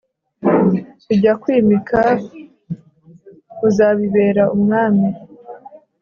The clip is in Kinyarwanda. bijya kwimika uzabibera umwami